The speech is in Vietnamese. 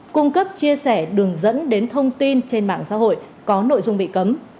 cung cấp chia sẻ đường dẫn đến thông tin trên mạng xã hội có nội dung bị cấm